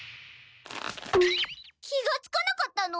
気がつかなかったの？